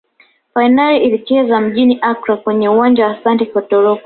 fainali ilichezwa mjini accra kwenye uwanja wa asante kotoko